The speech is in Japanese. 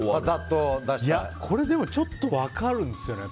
これ、ちょっと分かるんですよね。